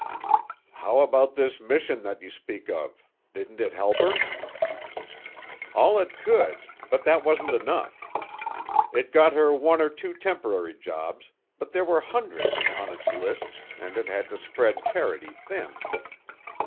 "How about this mission that you speak of? Didn't it help her?" "All it could but that wasn't enough. It got her one or two temporary jobs but there were hundreds on its lists and it had to spread charity thin.